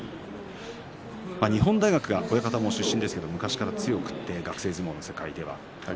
日本大学は親方も出身ですが昔から強くて学生相撲の世界ではですね。